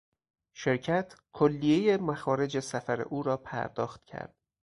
شرکت کلیهی مخارج سفر او را پرداخت کرد.